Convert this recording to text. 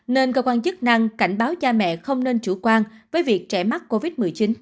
nên cơ quan chức năng cảnh báo cha mẹ không nên chủ quan với việc trẻ mắc covid một mươi chín